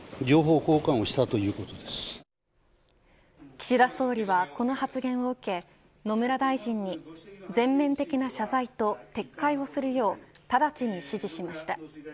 岸田総理はこの発言を受け野村大臣に全面的な謝罪と撤回をするよう直ちに指示しました。